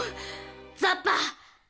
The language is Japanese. ザッパ！